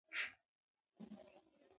د غروب رڼا هم د دوی په زړونو کې ځلېده.